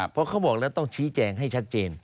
เพราะเขาบอกแล้วต้องชี้แจงให้ชัดเจน